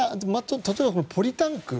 例えばポリタンク。